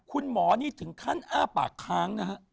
คุณหมอนี่ถึงขั้นอ้าปากค้างนะฮะ